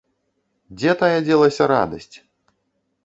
Дзе тая дзелася радасць!